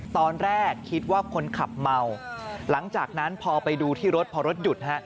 ตอนแรกคิดว่าคนขับเมาหลังจากนั้นพอไปดูที่รถพอรถหยุดฮะ